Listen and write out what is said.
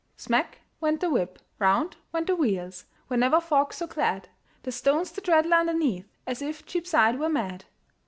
Smack went the whip, round went the wheels, Were never folks so glad! The stones did rattle underneath, As if Cheapside were mad.